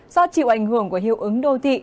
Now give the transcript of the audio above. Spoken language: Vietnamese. do chịu ảnh hưởng của hiệu ứng đô thị